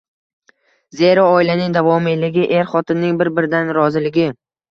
Zero, oilaning davomiyligi er xotinning bir-biridan roziligi